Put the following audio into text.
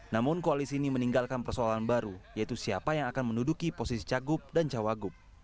namun koalisi ini meninggalkan persoalan baru yaitu siapa yang akan menduduki posisi cagup dan cawagup